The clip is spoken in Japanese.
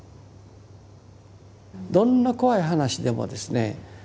どんな怖い話でもですね